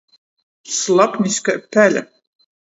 Slapnis kai pele.